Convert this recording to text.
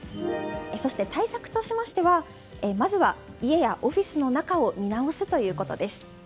そして、対策としましてはまずは家やオフィスの中を見直すということです。